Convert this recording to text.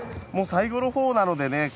もう最後のほうなのでね